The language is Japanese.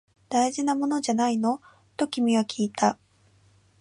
大事なものじゃないの？と君はきいた